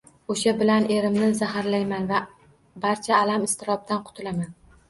Oʻsha bilan erimni zaharlayman va barcha alam-iztiroblardan qutulaman